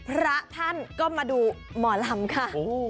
พระท่านก็มาดูหมอลำค่ะ